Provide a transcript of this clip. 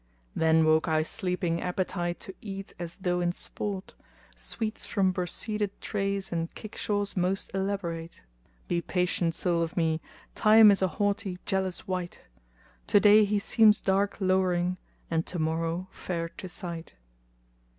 Then woke I sleeping appetite to eat as though in sport * Sweets from broceded trays and kickshaws most elaborate. Be patient, soul of me! Time is a haughty, jealous wight; * Today he seems dark lowering and tomorrow fair to sight.